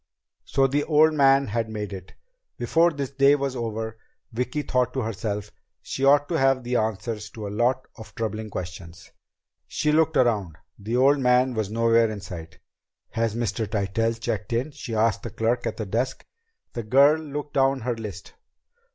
So the old man had made it! Before this day was over, Vicki thought to herself, she ought to have the answers to a lot of troubling questions! She looked around. The old man was nowhere in sight. "Has Mr. Tytell checked in?" she asked the clerk at the desk. The girl looked down her list.